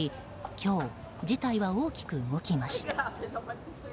今日、事態は大きく動きました。